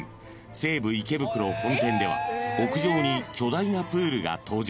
西武池袋本店では屋上に巨大なプールが登場］